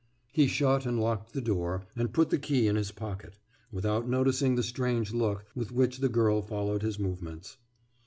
« He shut and locked the door and put the key in his pocket, without noticing the strange look with which the girl followed his movements.